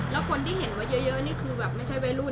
แล้วคนที่เห็นว่าเยอะนี่คือแบบไม่ใช่วัยรุ่น